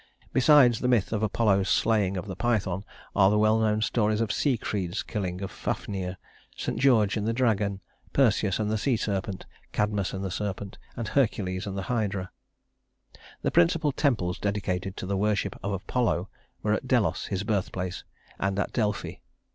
Besides the myth of Apollo's slaying of the Python are the well known stories of Siegfried's killing of Fafnir, St. George and the Dragon, Perseus and the Sea Serpent, Cadmus and the Serpent, and Hercules and the Hydra. The principal temples dedicated to the worship of Apollo were at Delos, his birthplace, and at Delphi.